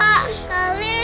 aduh meng investasinya